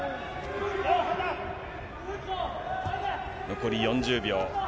残り４０秒。